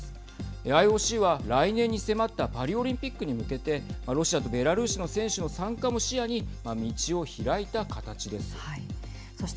ＩＯＣは来年に迫ったパリオリンピックに向けてロシアとベラルーシの選手の参加も視野に道を開いた形です。